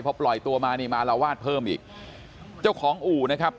พอปล่อยตัวมานี่มาละวาดเพิ่มอีกเจ้าของอู่นะครับ